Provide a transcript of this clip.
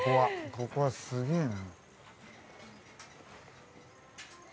ここはすげえな。